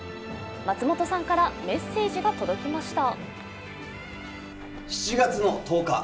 松本さんからメッセージが届きました。